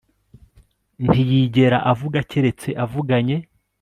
Ntiyigera avuga keretse avuganye